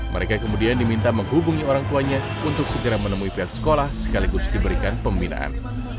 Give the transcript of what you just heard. mereka kemudian diminta menghubungi orang tuanya untuk segera menemui pihak sekolah sekaligus diberikan pembinaan